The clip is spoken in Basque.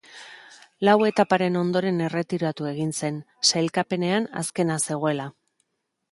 Lau etaparen ondoren erretiratu egin zen, sailkapenean azkena zegoela.